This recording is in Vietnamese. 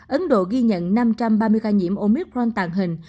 ấn độ ghi nhận năm trăm ba mươi ca nhiễm omicron tàn hình